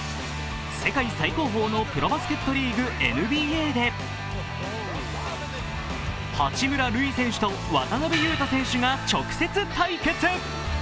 世界最高峰のプロバスケットリーグ、ＮＢＡで八村塁選手と渡邊雄太選手が直接対決。